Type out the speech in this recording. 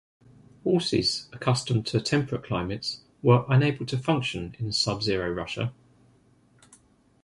Horses accustomed to temperate climates were unable to function in sub-zero Russia.